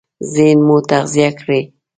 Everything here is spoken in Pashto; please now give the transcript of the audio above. ذهن مو تغذيه کړئ!